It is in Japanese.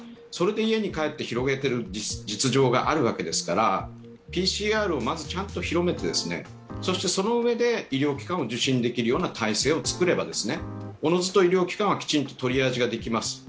それで家に帰って広げている実情があるわけですからＰＣＲをまずちゃんと広めて、そのうえで医療機関を受診できるような体制を作ればおのずと医療機関はきちんとトリアージができます。